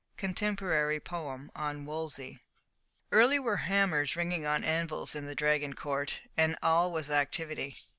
Contemporary Poem on Wolsey. Early were hammers ringing on anvils in the Dragon Court, and all was activity.